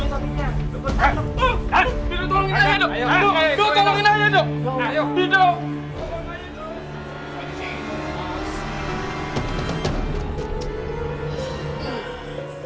orang b impaired yang elektriknya itu